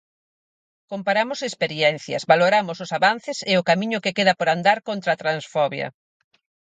Comparamos experiencias, valoramos os avances e o camiño que queda por andar contra transfobia.